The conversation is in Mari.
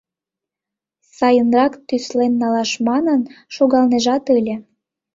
Сайынрак тӱслен налаш манын, шогалнежат ыле.